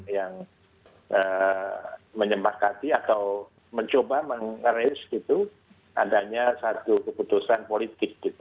yang menyemakati atau mencoba mengeres gitu adanya satu keputusan politik gitu